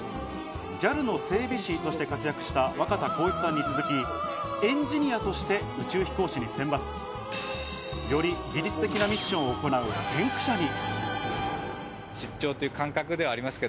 ＪＡＬの整備士として活躍した若田光一さんに続き、エンジニアとして宇宙飛行士に選抜。より技術的なミッションを行う先駆者に。